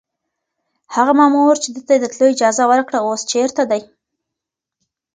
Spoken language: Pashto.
هغه مامور چې ده ته يې د تلو اجازه ورکړه اوس چېرته دی؟